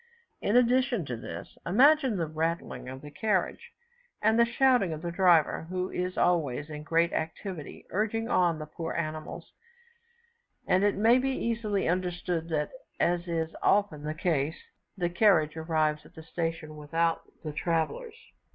In addition to this, imagine the rattling of the carriage, and the shouting of the driver, who is always in great activity urging on the poor animals, and it may be easily understood that, as is often the case, the carriage arrives at the station without the travellers.